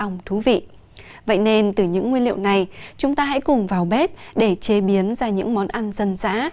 nên từ những nguyên liệu này chúng ta hãy cùng vào bếp để chế biến ra những món ăn dân dã